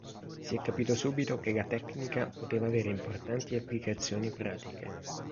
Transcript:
Si è capito subito che la tecnica poteva avere importanti applicazioni pratiche.